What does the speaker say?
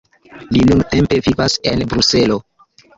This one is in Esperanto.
Li nuntempe vivas en Bruselo.